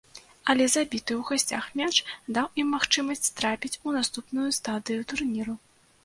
Але забіты ў гасцях мяч даў ім магчымасць трапіць у наступную стадыю турніру.